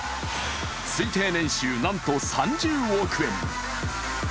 推定年収、なんと３０億円。